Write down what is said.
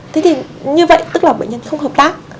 thế thì như vậy tức là bệnh nhân không hợp tác